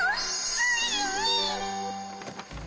ついに！